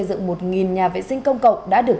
lớn trồng được